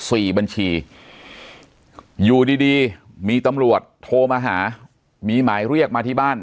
บัญชีอยู่ดีดีมีตำรวจโทรมาหามีหมายเรียกมาที่บ้าน